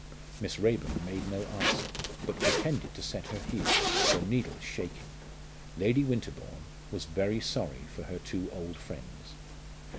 Miss Raeburn made no answer, but pretended to set her heel, her needles shaking. Lady Winterbourne was very sorry for her two old friends.